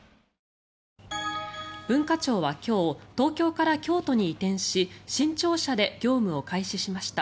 文化庁は今日東京から京都に移転し新庁舎で業務を開始しました。